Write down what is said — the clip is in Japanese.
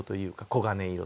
黄金色。